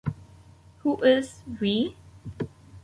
Who is "we"?